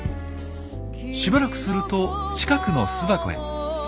しばらくすると近くの巣箱へ。